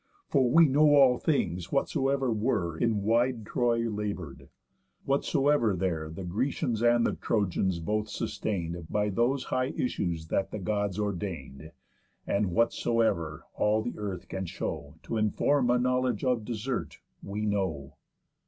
For we know all things whatsoever were In wide Troy labour'd; whatsoever there The Grecians and the Trojans both sustain'd By those high issues that the Gods ordain'd. And whatsoever all the earth can show T' inform a knowledge of desert, we know.